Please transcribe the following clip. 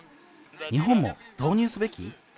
日本も導入すべき？